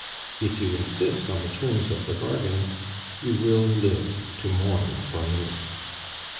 If you insist on the terms of the bargain, you will live to mourn for me.